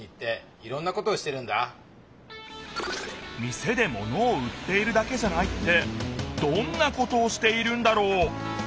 店で物を売っているだけじゃないってどんなことをしているんだろう？